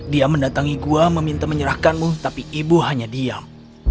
dia mendatangi gua meminta menyerahkanmu tapi ibu hanya diam